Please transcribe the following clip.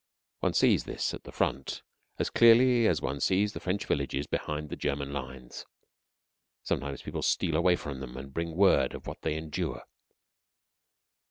One sees this at the front as clearly as one sees the French villages behind the German lines. Sometimes people steal away from them and bring word of what they endure.